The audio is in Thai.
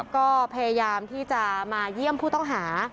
ก็พยายามที่จะมาเยี่ยมผู้ต้องหา